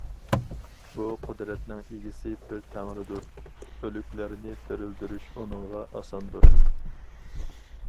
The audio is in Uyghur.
بۇ قۇدرەتنىڭ ئىگىسى بىر تەڭرىدۇر، ئۆلۈكلەرنى تىرىلدۈرۈش- ئۇنىڭغا ئاساندۇر.